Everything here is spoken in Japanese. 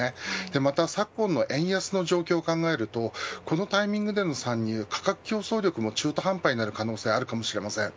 また、昨今の円安の状況を考えるとこのタイミングでの参入価格競争力も中途半端になる可能性があるかもしれません。